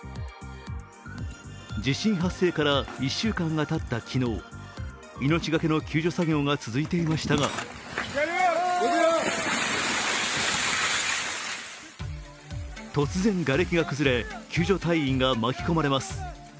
地震発生から１週間がたった昨日、命がけの救助作業が続いていましたが突然、がれきが崩れ救助隊員が巻き込まれます。